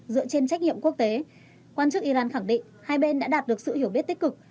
dựa trên trách nhiệm quốc tế quan chức iran khẳng định hai bên đã đạt được sự hiểu biết tích cực